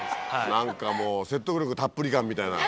何かもう説得力たっぷり感みたいな。